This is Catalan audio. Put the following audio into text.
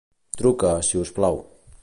Truca, si us plau.